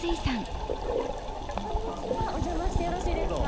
こんにちはお邪魔してよろしいですか？